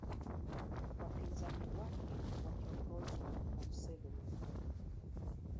Wapinzani wake wakiongozwa na Museveni